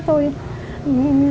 tôi đã cái bữa đó